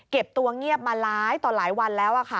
ตัวเงียบมาหลายต่อหลายวันแล้ว